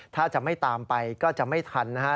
ถ้าจะไม่ตามไปก็จะไม่ทันนะฮะ